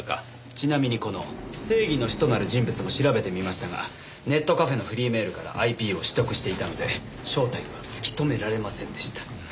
ちなみにこの「正義の使徒」なる人物も調べてみましたがネットカフェのフリーメールからＩＰを取得していたので正体は突き止められませんでした。